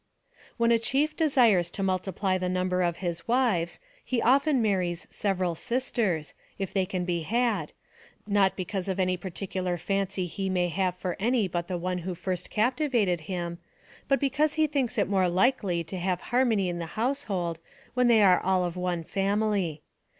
When a chief desires to multiply the number of his wives, he often marries several sisters, if they can be had, not because of any particular fancy he may have AMONG THE SIOUX INDIANS. 185 for any but the one who first captivated him, but be cause he thinks it more likely to have harmony in the household when they are all of one family.